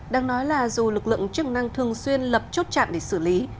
đang nói là dù lực lượng chức năng thường xuyên lập chốt chạm để xử lý